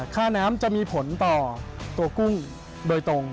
ค่าน้ำจะมีผลต่อตัวกุ้งโดยตรง